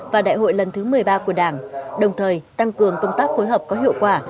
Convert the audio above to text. và đại hội lần thứ một mươi ba của đảng đồng thời tăng cường công tác phối hợp có hiệu quả